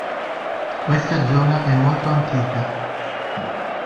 Questa zona è molto antica.